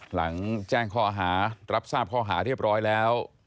หลังแจ้งข้อหารับทราบข้อหาเรียบร้อยแล้ว